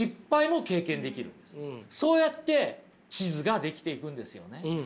そうやって地図が出来ていくんですよね。